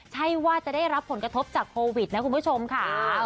ใช่ว่าจะได้รับผลกระทบจากโควิดนะคุณผู้ชมค่ะ